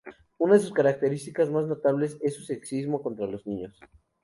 Una de sus características más notables es su sexismo contra los niños.